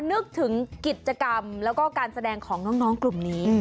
นึกถึงกิจกรรมแล้วก็การแสดงของน้องกลุ่มนี้